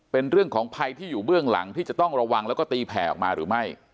เป็นเรื่องของภัยที่อยู่เบื้องหลังที่จะต้องระวังแล้วก็ตีแผ่ออกมาหรือไม่